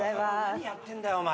何やってんだよお前。